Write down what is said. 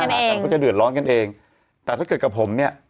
มันก็จะเดือดร้อนกันเองแต่ถ้าเกิดกับผมเนี่ย